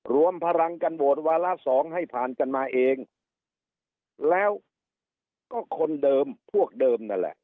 รวมพลังกันโหวตวาระสองให้ผ่านกันมาเองแล้วก็คนเดิมพวกเดิมนั่นแหละ